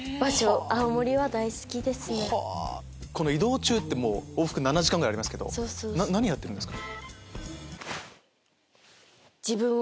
移動中往復７時間ありますけど何やってるんですか？